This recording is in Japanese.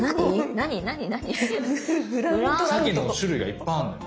サケの種類がいっぱあんの。